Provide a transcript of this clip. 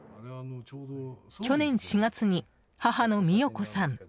去年４月に母の美代子さん